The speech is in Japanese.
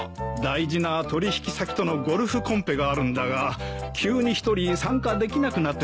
大事な取引先とのゴルフコンペがあるんだが急に１人参加できなくなってしまってね。